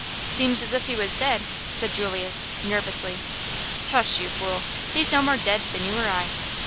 "Seems as if he was dead," said Julius, nervously. "Tush, you fool! He's no more dead than you or I."